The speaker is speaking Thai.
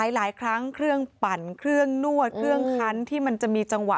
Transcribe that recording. หลายครั้งเครื่องปั่นเครื่องนวดเครื่องคันที่มันจะมีจังหวะ